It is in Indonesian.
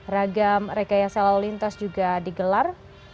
ragam rekaya selalu lintas juga digelar